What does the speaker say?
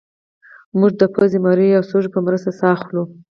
موږ د پوزې مرۍ او سږو په مرسته ساه اخلو